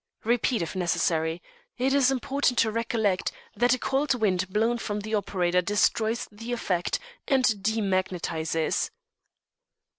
Repeat if necessary. It is important to recollect that a cold wind blown from the operator destroys the effect and demagnetises."